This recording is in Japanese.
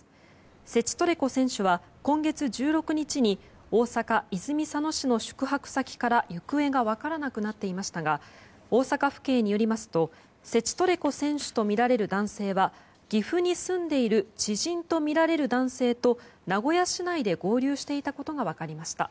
セチトレコ選手は今月１６日に大阪・泉佐野市の宿泊先から行方が分からなくなっていましたが大阪府警によりますとセチトレコ選手とみられる男性は岐阜に住んでいる知人とみられる男性と名古屋市内で合流していたことが分かりました。